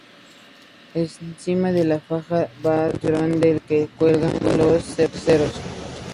Encima de la faja va el cinturón, del que cuelgan los cencerros.